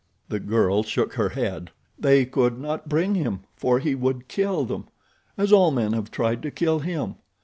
The girl shook her head. "They could not bring him, for he would kill them, as all men have tried to kill him.